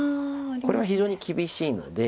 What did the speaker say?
これは非常に厳しいので。